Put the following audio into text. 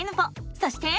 そして。